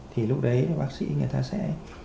thì lúc đấy bác sĩ người ta sẽ